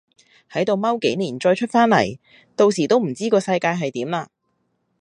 係度踎幾年再出返嚟，到時都唔知個世界係點啦